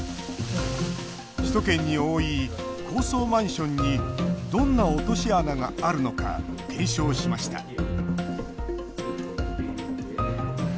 首都圏に多い高層マンションにどんな落とし穴があるのか検証しました